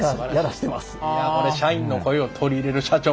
いやこれ社員の声を取り入れる社長